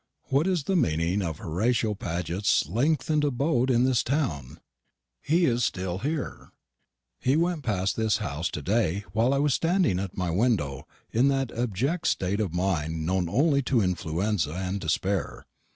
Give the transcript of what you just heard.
What is the meaning of Horatio Paget's lengthened abode in this town? He is still here. He went past this house to day while I was standing at my window in that abject state of mind known only to influenza and despair.